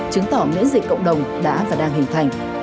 chứng tỏ miễn dịch cộng đồng đã và đang hình thành